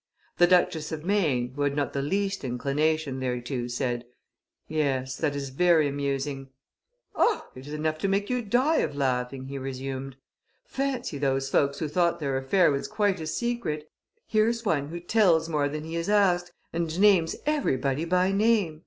The Duchess of Maine, who had not the least inclination thereto, said, 'Yes, that is very amusing.' 'O! it is enough to make you die of laughing,' he resumed; 'fancy those folks who thought their affair was quite a secret; here's one who tells more than he is asked, and names everybody by name!